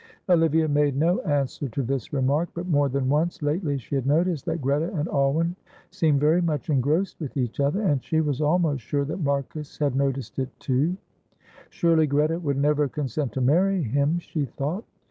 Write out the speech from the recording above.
Olivia made no answer to this remark, but more than once lately she had noticed that Greta and Alwyn seemed very much engrossed with each other, and she was almost sure that Marcus had noticed it too. "Surely Greta would never consent to marry him," she thought.